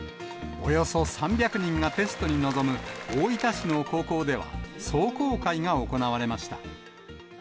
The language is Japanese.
およそ３００人がテストに臨む大分市の高校では、壮行会が行われました。